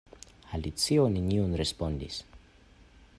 Alicio nenion respondis.